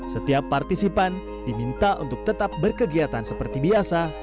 setiap partisipan diminta untuk tetap berkegiatan seperti biasa